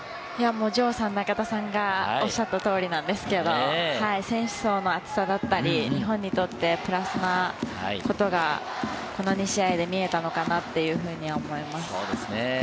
城さん、中田さんが、おっしゃった通りなんですけれども、選手層の厚さだったり、ファンにとってプラスなことがこの２試合で見えたのかなと思います。